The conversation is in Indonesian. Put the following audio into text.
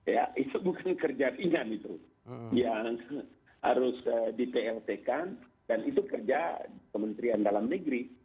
ya itu bukan kerja ringan itu yang harus di plt kan dan itu kerja kementerian dalam negeri